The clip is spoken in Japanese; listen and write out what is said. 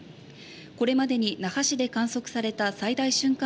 これまでに那覇市で観測された最大瞬間